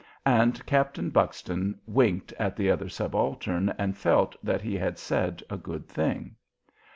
And Captain Buxton winked at the other subaltern and felt that he had said a good thing.